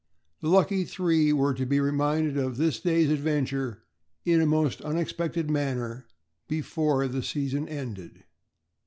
The "lucky three" were to be reminded of this day's adventure in a most unexpected manner before the season ended.